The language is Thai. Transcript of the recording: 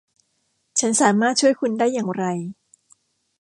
ฉันสามารถช่วยคุณได้อย่างไร